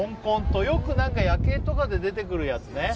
よく夜景とかで出てくるやつね。